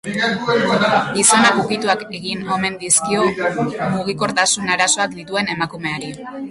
Gizonak ukituak egin omen dizkio mugikortasun arazoak dituen emakumeari.